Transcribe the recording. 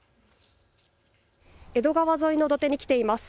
江戸川沿いの土手に来ています。